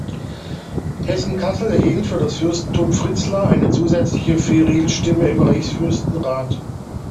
Hessen-Kassel erhielt für das Fürstentum Fritzlar eine zusätzliche Virilstimme im Reichsfürstenrat.